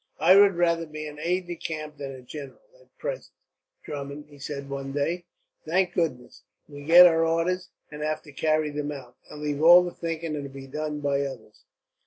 "I would rather be an aide de camp than a general, at present, Drummond," he said one day. "Thank goodness, we get our orders and have to carry them out, and leave all the thinking to be done by others!